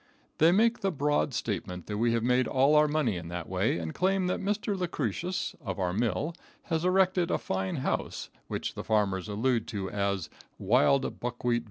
They make the broad statement that we have made all our money in that way, and claim that Mr. Lucretius, of our mill, has erected a fine house, which the farmers allude to as the "wild buckwheat villa."